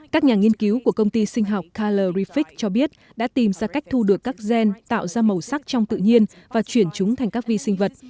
các nhà nghiên cứu của công ty sinh học colorific cho biết đã tìm ra cách thu được các gen tạo ra màu sắc trong tự nhiên và chuyển chúng thành các vi sinh vật